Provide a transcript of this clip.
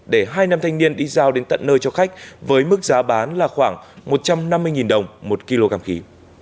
để hai nam thanh niên đi giao đến tận nơi cho khách với mức giá bán là khoảng một trăm năm mươi đồng một kg càm khí